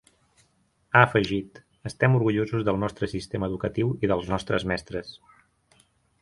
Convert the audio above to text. Ha afegit: ‘Estem orgullosos del nostre sistema educatiu i dels nostres mestres’.